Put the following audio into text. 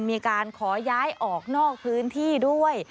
มีการขอย้ายออกนอกพื้นที่ด้วย